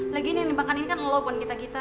lagian ini bahkan ini kan lo pun kita kita